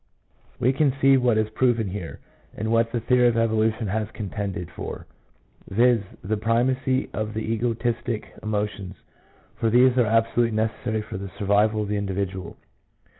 We can see what is proven here, and what the theory of evolution has contended for— viz., the primacy of the egotistic emotions, for these are abso lutely necessary for the survival of the individual.